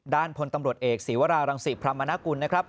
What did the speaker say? พลตำรวจเอกศีวรารังศิพรรมนกุลนะครับ